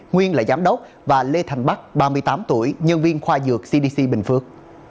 nguyên là giám đốc và lê thành bắc ba mươi tám tuổi nhân viên khoa dược cdc bình phước